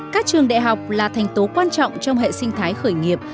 các trường đại học là thành tố quan trọng trong hệ sinh thái khởi nghiệp